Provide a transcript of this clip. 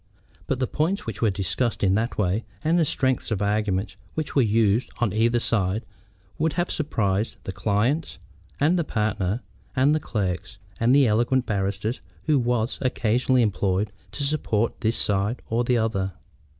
But the points which were discussed in that way, and the strength of argumentation which was used on either side, would have surprised the clients, and the partner, and the clerks, and the eloquent barrister who was occasionally employed to support this side or the other.